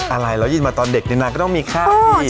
อะไรเรายินมาตอนเด็กเดี๋ยวนานก็ต้องมีข้าวนี่